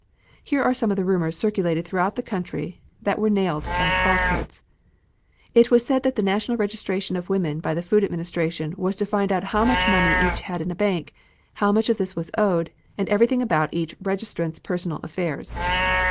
Here are some of the rumors circulated throughout the country that were nailed as falsehoods: It was said that the national registration of women by the Food Administration was to find out how much money each had in the bank, how much of this was owed, and everything about each registrant's personal affairs.